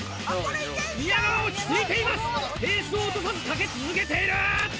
ペースを落とさずかけ続けている！